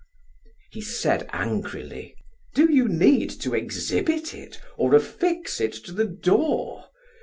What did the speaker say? He said angrily: "Do you need to exhibit it, or affix it to the door?